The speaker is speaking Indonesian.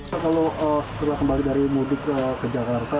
pak kalau setelah kembali dari mudik ke jakarta